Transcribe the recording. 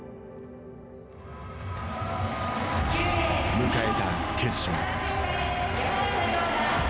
迎えた決勝。